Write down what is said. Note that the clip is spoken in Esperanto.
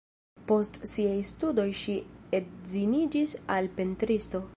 Post siaj studoj ŝi edziniĝis al pentristo.